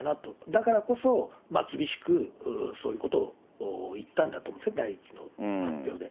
だからこそ、厳しくそういうことを言ったんだと思うんですね、第一の発表で。